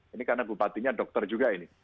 ini karena bupatinya dokter juga ini